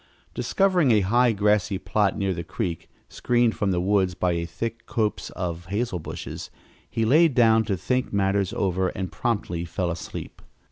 Discovering a high, grassy plot near the creek, screened from the woods by a thick copse of hazel bushes, he lay down to think matters over and promptly fell asleep.